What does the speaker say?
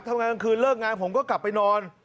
ทำงานกลางคืนเลิกงานผมก็กลับไปนอน